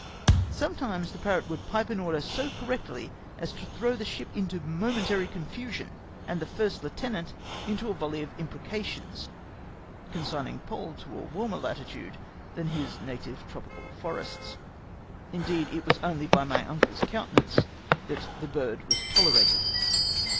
Sometimes the parrot would pipe an order so correctly as to throw the ship into momentary confusion, and the first heutenant into a volley of imprecations, consigning Poll to a warmer latitude than his native tropical forests. Indeed, it was only by my uncle's countenance that the bird was tolerated.